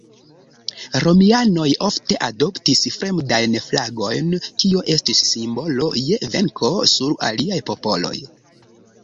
Romianoj ofte adoptis fremdajn flagojn, kio estis simbolo je venko sur aliaj popoloj.